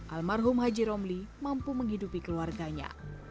almarhum haji romli mampu menghidupi keluarganya